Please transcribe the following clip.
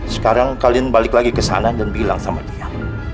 sekarang kalian balik lagi ke sana dan bilang sama dia